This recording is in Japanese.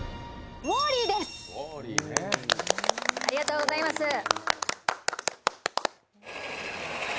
ありがとうございます。